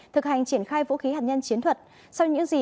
thực hành triển khai vũ khí hạt nhân chiến thuật sau những gì